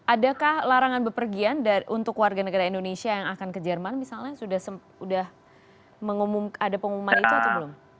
adakah larangan bepergian untuk warga negara indonesia yang akan ke jerman misalnya sudah ada pengumuman itu atau belum